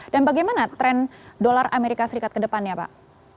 dan bagaimana tren dolar amerika serikat ke depannya pak